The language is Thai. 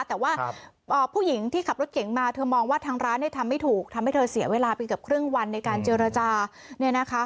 แต่ว่าผู้หญิงที่ขับรถเก่งมาเธอมองว่าทางร้านเนี่ยทำไม่ถูกทำให้เธอเสียเวลาไปเกือบครึ่งวันในการเจรจาเนี่ยนะคะ